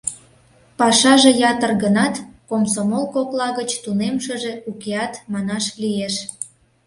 Пашаже ятыр гынат, комсомол кокла гыч тунемшыже укеат, манаш лиеш.